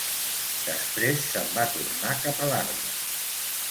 Després se'n va tornar cap a l'arbre.